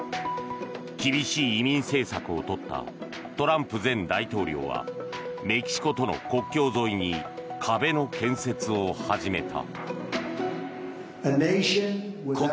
厳しい移民政策をとったトランプ前大統領はメキシコとの国境沿いに壁の建設を始めた。